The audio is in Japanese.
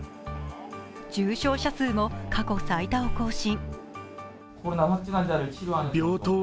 重症者数も過去最多を更新。